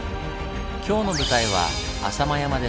今日の舞台は浅間山です。